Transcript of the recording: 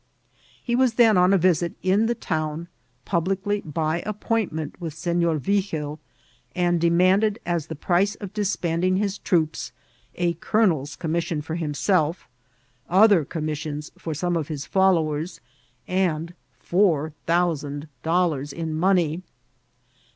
He was then on a visit in the town, publicly, by appointment with Sefk>r Vigil, and demanded, as the price of disbanding his troc^, a colonel's commission for himself, other oommissicHis for THX OOTBRNMBKT VOUKD. aome of his followers^ and four thousand dollars in money.